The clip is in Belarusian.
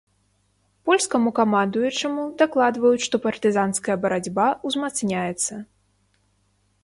Польскаму камандуючаму дакладваюць, што партызанская барацьба узмацняецца.